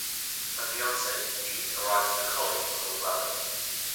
Her fiance, Hugh, arrives with a colleague called Levet.